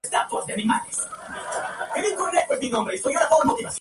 Fue la octava participación en el certamen continental.